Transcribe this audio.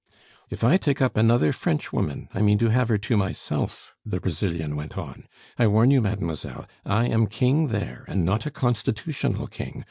"If I take up another Frenchwoman, I mean to have her to myself," the Brazilian went on. "I warn you, mademoiselle, I am king there, and not a constitutional king.